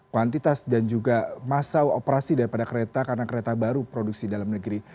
kuantitas dan juga masa operasi daripada kereta karena kereta baru produksi dalam negeri